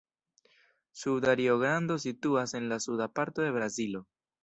Suda Rio-Grando situas en la suda parto de Brazilo.